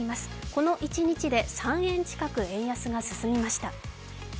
この１日で３円近く円安が進みました。